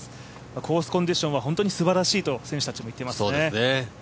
コースコンディションは本当にすばらしいと選手たちも言っていますね。